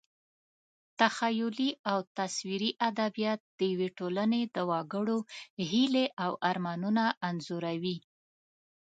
تخیلي او تصویري ادبیات د یوې ټولنې د وګړو هیلې او ارمانونه انځوروي.